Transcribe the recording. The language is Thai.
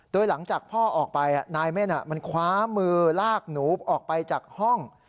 โดยหลังจากพ่อออกไปนายเม่นมันคว้ามือลากหนูออกไปจากห้อง